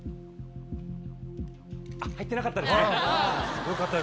入ってなかったですね。